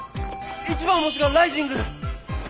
一番星がライジング！